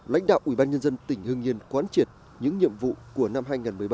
lãnh đạo ubnd tỉnh hưng yên quán triệt những nhiệm vụ của năm hai nghìn một mươi bảy